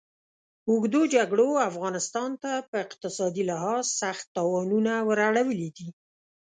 اوږدو جګړو افغانستان ته په اقتصادي لحاظ سخت تاوانونه ور اړولي دي.